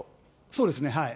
そうですね、はい。